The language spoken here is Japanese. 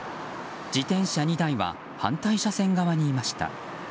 自転車２台は反対車線側にいました。